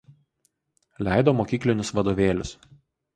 Leido mokyklinius vadovėlius.